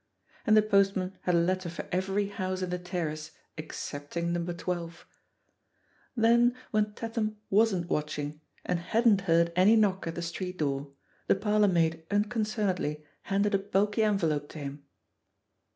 And the postman had a letter for every house in the terrace excepting No. 12. Then, when Tatham wasn't watching, and hadn't heard any knock at the street door, the parlourmaid unconcernedly handed a bulky en velope to him.